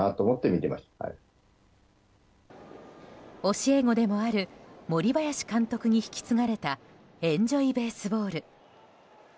教え子でもある森林監督に引き継がれたエンジョイベースボール。